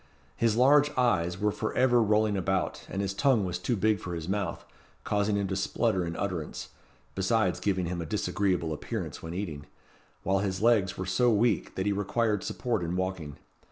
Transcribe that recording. His large eyes were for ever rolling about, and his tongue was too big for his mouth, causing him to splutter in utterance, besides giving him a disagreeable appearance when eating; while his legs were so weak, that he required support in walking.